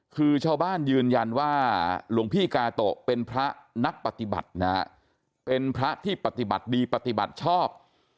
คือชาวบ้านยืนยันว่าหลวงพี่กาโตะเป็นพระนักปฏิบัตินะฮะเป็นพระที่ปฏิบัติดีปฏิบัติชอบ